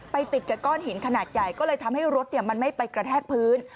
ติดกับก้อนหินขนาดใหญ่ก็เลยทำให้รถมันไม่ไปกระแทกพื้น